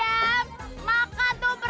adam makan tuh perempuan